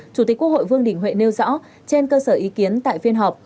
chủ tịch quốc hội vương đình huệ nêu rõ trên cơ sở ý kiến tại phiên họp